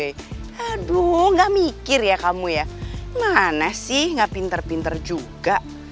aduh gak mikir ya kamu ya mana sih nggak pinter pinter juga